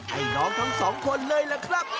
ให้น้องทั้งสองคนเลยล่ะครับ